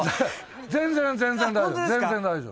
全然全然大丈夫。